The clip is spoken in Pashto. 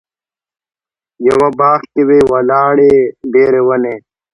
یوه باغ کې وې ولاړې ډېرې ونې.